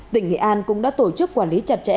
tỉnh nghệ an cũng đã tổ chức quản lý chặt chẽ